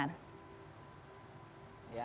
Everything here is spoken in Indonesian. anggaran yang akan tercapai